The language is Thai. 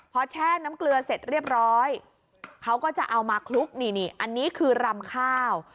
พอแช่น้ำเกลือเสร็จเรียบร้อยเขาก็จะเอามาคลุกนี่อันนี้คือรำข้าว